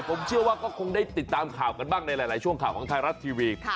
ผมเชื่อว่าก็คงได้ติดตามข่าวกันบ้างในหลายช่วงข่าวของไทยรัฐทีวี